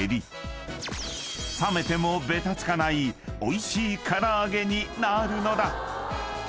［冷めてもベタつかないおいしいから揚げになるのだ］